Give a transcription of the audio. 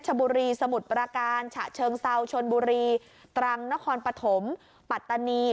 ชบุรีสมุทรประการฉะเชิงเซาชนบุรีตรังนครปฐมปัตตานี